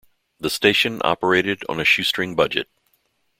The station operated on a shoestring budget.